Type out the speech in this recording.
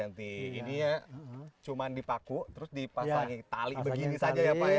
ini ya cuma dipaku terus dipasangi tali begini saja ya pak ya